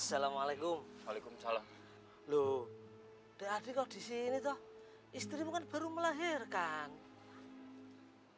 sekarang pak ustadz liat sendiri kalau masalahnya sana